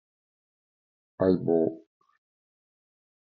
相棒